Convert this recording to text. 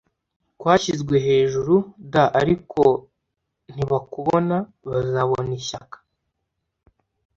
kwashyizwe hejuru d ariko ntibakubona Bazabona ishyaka